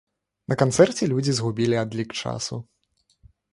На канцэрце людзі згубілі адлік часу.